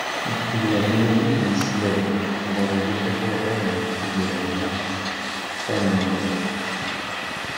Deg tegnatin-agi i d-yeslal Buḍyaf akabar n Tegrawla Tanemlayt.